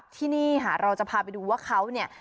ที่นี่ค่ะเราจะพาไปดูว่าเขาเนี่ย